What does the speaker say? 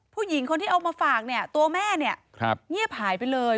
ผู้หญิงคนที่เอามาฝากตัวแม่เงียบหายไปเลย